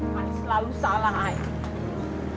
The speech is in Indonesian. ma selalu salah ayah